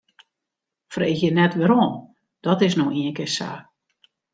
Freegje net wêrom, dat is no ienkear sa.